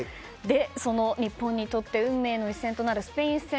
その日本にとって運命の一戦となるスペイン戦。